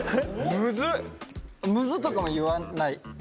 「ムズ」とかも言わない。